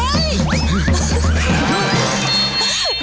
เฮ้ย